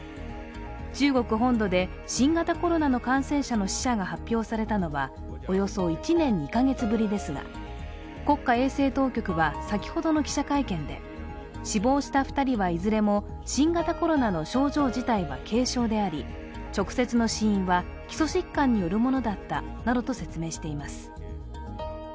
中国本土で新型コロナの感染者の死者が発表されたのはおよそ１年２カ月ぶりですが、国家衛生当局は先ほどの記者会見で、死亡した２人はいずれも新型コロナの症状自体は軽症であり直接の死因は基礎疾患によるものだったなどと説明しています。